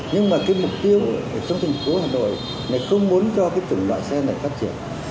nhưng mà cái mục tiêu ở trong thành phố hà nội là không muốn cho cái chủng loại xe này phát triển